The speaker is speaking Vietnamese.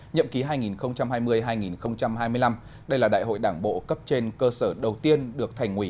nhậm ký hai nghìn hai mươi hai nghìn hai mươi năm đây là đại hội đảng bộ cấp trên cơ sở đầu tiên được thành ủy